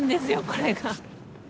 これが。